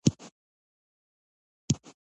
ایا ستاسو تړون به لاسلیک نه شي؟